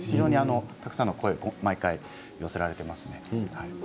たくさんの声が毎回寄せられていますね。